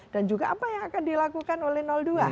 dan juga apa yang akan dilakukan oleh dua